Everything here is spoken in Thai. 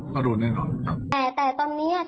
แต่ตอนนี้สื่ออ่ะมันต้องออกไปแล้วนะคะ